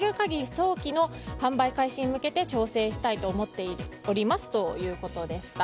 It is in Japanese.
早期の販売開始に向けて調整したいと思っておりますということでした。